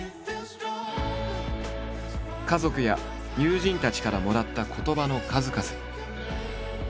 家族や友人たちからもらった言葉の数々。